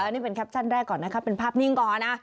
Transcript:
นี่เป็นแคปชั่นแรกก่อนนะครับเป็นภาพนิ่งก่อนนะ